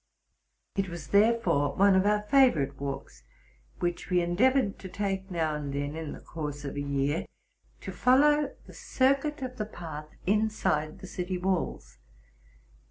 It was, therefore, one of our favorite walks, which we endeavored to take now and then in the course of a year, to follow the circuit of the path inside the city walls.